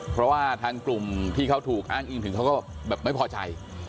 เพราะว่าทางกลุ่มที่เขาถูกอ้างอิงถึงเขาก็แบบไม่พอใจ